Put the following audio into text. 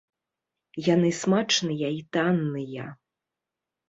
Яны смачныя і танныя.